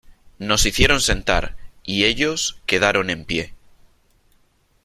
nos hicieron sentar , y ellos quedaron en pie .